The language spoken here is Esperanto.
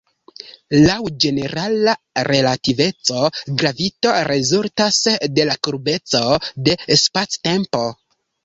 Laŭ ĝenerala relativeco, gravito rezultas de la kurbeco de spactempo.